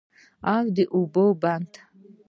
او د اوبو بند